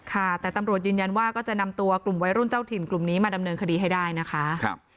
ค่ะแต่ตำรวจยืนยันว่าก็จะนำตัวกลุ่มวัยรุ่นเจ้าถิ่นกลุ่มนี้มาดำเนินคดีให้ได้นะคะ